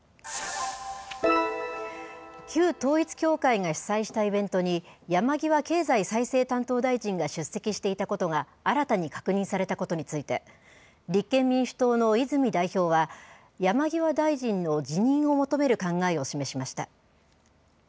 旧統一教会が主催したイベントに、山際経済再生担当大臣が出席していたことが新たに確認されたことについて、立憲民主党の泉代表は、山際大臣の辞任を求める考えを示しました。